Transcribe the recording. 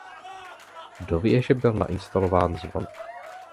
Do věže byl nainstalován zvon.